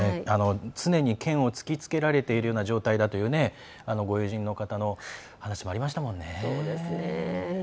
常に剣を突きつけているような状態だというご友人の方の話もありましたもんね。